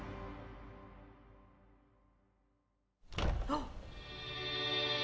あっ！